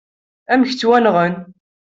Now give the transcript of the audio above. Amek ttwanɣan?